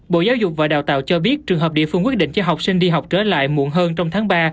bộ giáo dục và đào tạo cho biết trường hợp địa phương quyết định cho học sinh đi học trở lại muộn hơn trong tháng ba